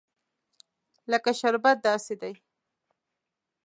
لکه شربت داسې دي.